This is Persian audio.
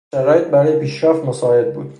شرایط برای پیشرفت مساعد بود.